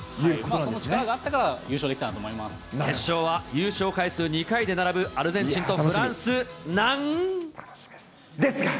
その力があったから優勝でき決勝は、優勝回数２回で並ぶアルゼンチンとフランスなん。